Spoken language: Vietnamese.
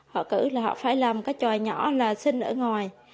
họ cử là họ phải làm cái tròi nhỏ là sinh ở ngoài